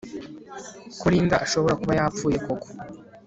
ko Linda ashobora kuba yapfuye koko